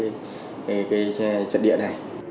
cái cái cái cái trận địa này